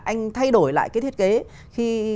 anh thay đổi lại cái thiết kế khi